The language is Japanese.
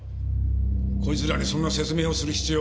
こいつらにそんな説明をする必要はない。